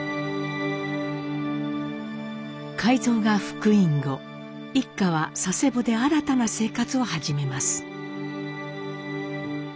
海蔵が復員後一家は佐世保で新たな生活を始めます。